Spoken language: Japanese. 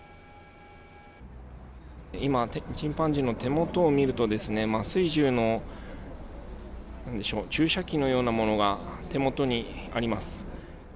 今、チンパンジーの手元を見ると麻酔銃の注射器のようなものが手元にあります。